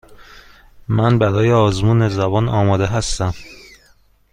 من برای آزمون زبان آماده هستم.